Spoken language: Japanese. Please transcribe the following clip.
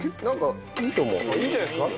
いいんじゃないですか？